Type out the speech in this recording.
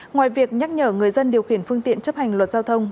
ngoài việc nhắc nhở người dân điều khiển phương tiện chấp hành luật giao thông